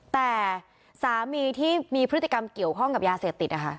แต่สามีที่มีพฤติกรรมเกี่ยวข้องกับยาเสพติดนะคะ